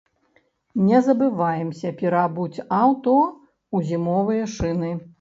Не забываймася пераабуць аўто ў зімовыя шыны.